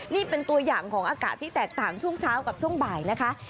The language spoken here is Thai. นี่เป็นตัวอย่างของอากาศที่แตกต่างช่วงเช้ากับช่วงบ่ายนะคะ